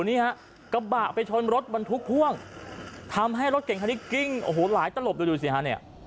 นี่ฮะกระบะไปชนรถบรรทุกพ่วงทำให้รถเก่งคันนี้กิ้งโอ้โหหลายตลบดูดูสิฮะเนี่ย